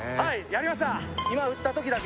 やりました